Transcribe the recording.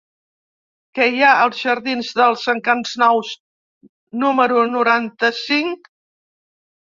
Què hi ha als jardins dels Encants Nous número noranta-cinc?